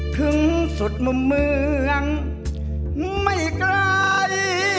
ถึงสุดมุมเมืองไม่ไกล